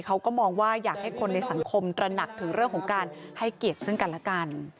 เขาก็มองว่าอยากให้คนในสังคมตระหนักถึงเรื่องของการให้เกียรติซึ่งกันและกัน